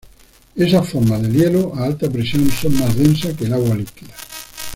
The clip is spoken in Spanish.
Esas formas del hielo a alta presión son más densas que el agua líquida.